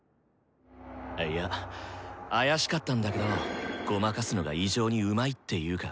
いや怪しかったんだけどごまかすのが異常にうまいっていうか。